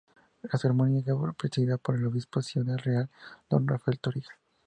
La ceremonia fue presidida por el Obispo de Ciudad Real, don Rafael Torija.